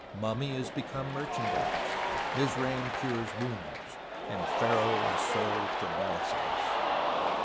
Mummy is become merchan dise, Mizraim cures wounds, and Pharaoh is sold for balsams."